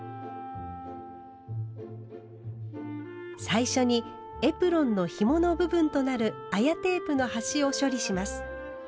最初にエプロンのひもの部分となる綾テープの端を処理します。